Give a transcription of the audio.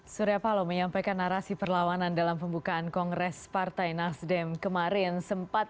surya paloh menyampaikan narasi perlawanan dalam pembukaan kongres partai nasdem kemarin sempat